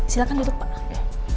silahkan duduk pak